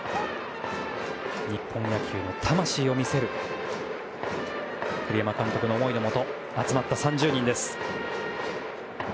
日本野球の魂を見せる栗山監督の思いのもと集まった３０人です。